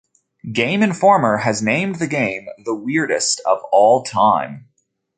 "Game Informer" has named the game the weirdest of all time.